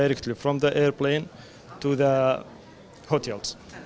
mereka hanya pergi dari pesawat terbang ke hotel